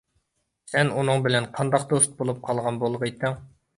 سەن ئۇنىڭ بىلەن قانداق دوست بولۇپ قالغان بولغىيتتىڭ!